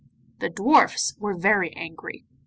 The dwarfs were very angry.